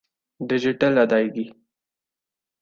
digital ادائیگی م